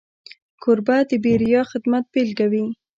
کوربه د بېریا خدمت بيلګه وي.